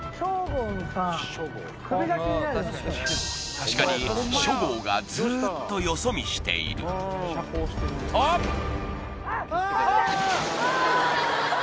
確かにっしょっ号がずっとよそ見しているとあ！